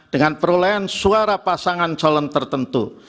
dengan perolehan suara pasangan calon tertentu